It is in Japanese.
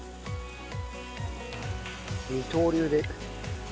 二刀流で。